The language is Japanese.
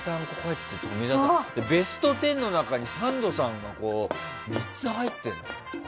ベスト１０の中にサンドさんが３つ入ってる。